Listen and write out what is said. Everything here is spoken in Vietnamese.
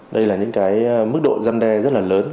đây là những cái mức độ giăn đe rất là lớn